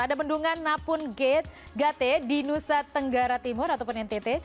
ada bendungan napung gate gate di nusa tenggara timur atau ntt